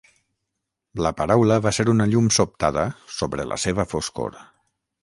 La paraula va ser una llum sobtada sobre la seva foscor.